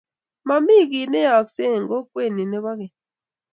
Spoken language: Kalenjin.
Mami kit ne yayakse eng kokwet ni nepo keny